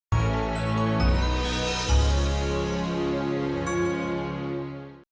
kamu takut kalau semua kebohongan kamu terbongkar